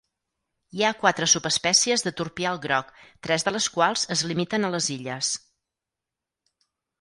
Hi ha quatre subespècies de turpial groc, tres de les quals es limiten a les illes.